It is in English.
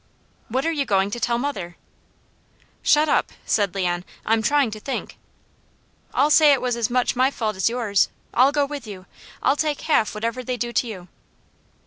"What are you going to tell mother?" "Shut up!" said Leon. "I'm trying to think." "I'll say it was as much my fault as yours. I'll go with you. I'll take half whatever they do to you."